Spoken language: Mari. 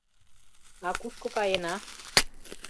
— А кушко каена?